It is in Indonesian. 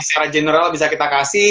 secara general bisa kita kasih